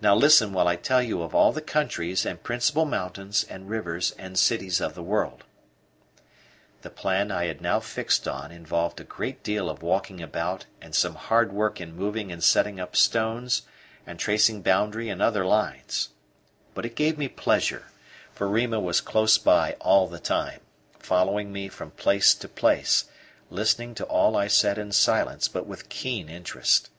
Now listen while I tell you of all the countries, and principal mountains, and rivers, and cities of the world." The plan I had now fixed on involved a great deal of walking about and some hard work in moving and setting up stones and tracing boundary and other lines; but it gave me pleasure, for Rima was close by all the time, following me from place to place, listening to all I said in silence but with keen interest.